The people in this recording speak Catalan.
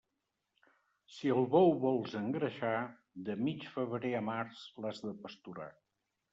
Si el bou vols engreixar, de mig febrer a març l'has de pasturar.